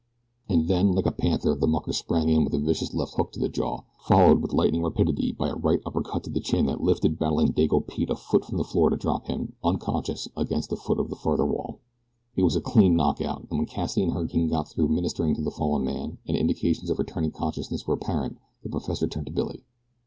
And then, like a panther, the mucker sprang in with a vicious left hook to the jaw, followed, with lightning rapidity, by a right upper cut to the chin that lifted Battling Dago Pete a foot from the floor to drop him, unconscious, against the foot of the further wall. It was a clean knock out, and when Cassidy and Hurricane got through ministering to the fallen man, and indications of returning consciousness were apparent, the professor turned to Billy.